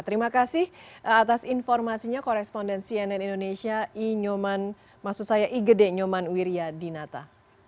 terima kasih atas informasinya koresponden cnn indonesia i nyoman maksud saya i gede nyoman wirya dinata